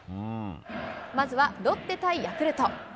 まずはロッテ対ヤクルト。